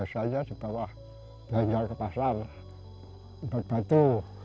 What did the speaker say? biasanya dibawa bianjak ke pasar buat batu